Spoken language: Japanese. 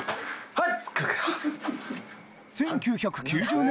はい。